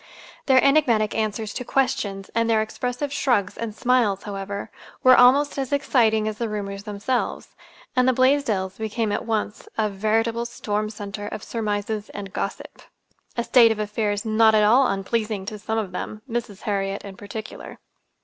Their enigmatic answers to questions, and their expressive shrugs and smiles, however, were almost as exciting as the rumors themselves; and the Blaisdells became at once a veritable storm center of surmises and gossip—a state of affairs not at all unpleasing to some of them, Mrs. Harriet in particular.